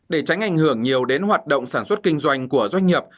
để tránh ảnh hưởng nhiều đến hoạt động sản xuất kinh doanh của doanh nghiệp